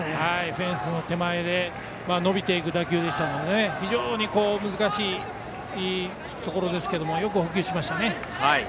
フェンスの手前で伸びていく打球でしたので非常に難しいところですがよく捕球しましたね。